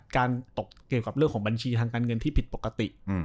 ตกเกี่ยวกับเรื่องของบัญชีทางการเงินที่ผิดปกติ